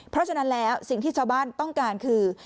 เพราะฉะนั้นแล้วสิ่งที่ชาวบ้านต้องการคือ